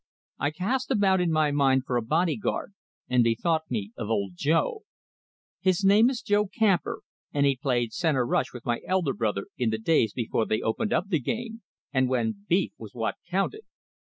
I cast about in my mind for a body guard, and bethought me of old Joe. His name is Joseph Camper, and he played centre rush with my elder brother in the days before they opened up the game, and when beef was what counted.